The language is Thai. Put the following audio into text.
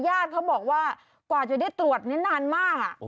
ญาติเขาบอกว่ากว่าจะได้ตรวจนี้นานมาก